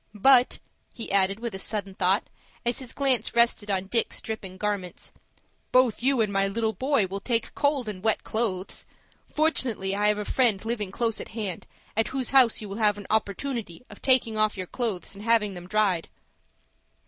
"But," he added with a sudden thought, as his glance rested on Dick's dripping garments, "both you and my little boy will take cold in wet clothes. Fortunately I have a friend living close at hand, at whose house you will have an opportunity of taking off your clothes, and having them dried."